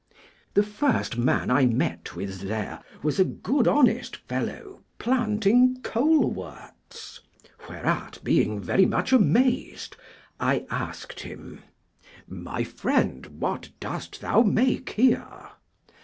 The first man I met with there was a good honest fellow planting coleworts, whereat being very much amazed, I asked him, My friend, what dost thou make here?